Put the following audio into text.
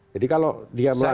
jadi kalau dia melanggar